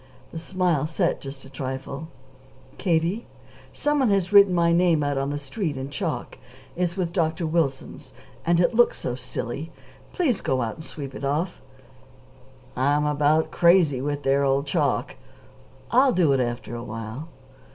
The smile set just a trifle. "Katie, some one has written my name out on the street, in chalk. It's with Dr. Wilson's, and it looks so silly. Please go out and sweep it off." "I'm about crazy with their old chalk. I'll do it after a while."